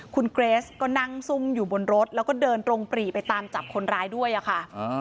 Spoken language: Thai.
คุณเกรสก็นั่งซุ่มอยู่บนรถแล้วก็เดินตรงปรีไปตามจับคนร้ายด้วยอะค่ะ